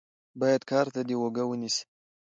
بايد کار ته دې اوږه ونيسې.